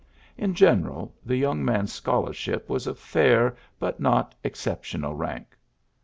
In general, the young man's scholarship was of fair but not exceptional rank.